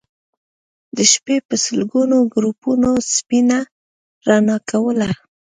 د شپې به سلګونو ګروپونو سپينه رڼا کوله